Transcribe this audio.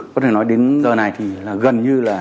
có thể nói đến giờ này thì là gần như là